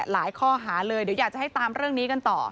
ข้อหาเลยเดี๋ยวอยากจะให้ตามเรื่องนี้กันต่อ